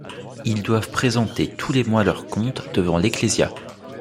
Ils doivent présenter tous les mois leurs comptes devant l'Ecclésia.